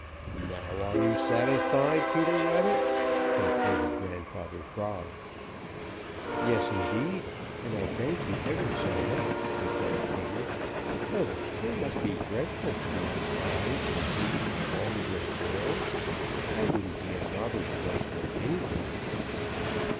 Now are you satisfied, Peter Rabbit?" concluded Grandfather Frog. "Yes, indeed, and I thank you ever so much," declared Peter. "Ugh! It must be dreadful to be despised and hated by all the Great World. I wouldn't be in Robber's place for anything."